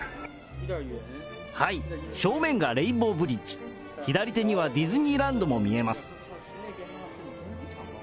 はい、正面がレインボーブリッジ、左手にはディズニーランドも見えます。